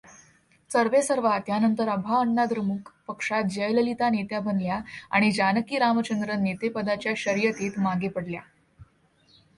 सर्वेसर्वा त्यानंतर अभाअण्णाद्रमुक पक्षात जयललिता नेत्या बनल्या आणि जानकी रामचंद्रन नेतेपदाच्या शर्यतीत मागे पडल्या.